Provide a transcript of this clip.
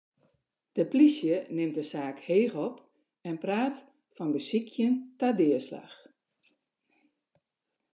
De plysje nimt de saak heech op en praat fan besykjen ta deaslach.